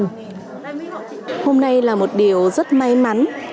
hôm nay là một điều rất may mắn